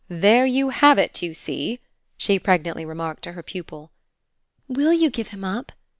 "There you have it, you see!" she pregnantly remarked to her pupil. "WILL you give him up?"